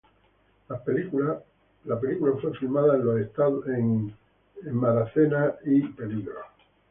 La película fue filmada en los estados de Oregón y Washington.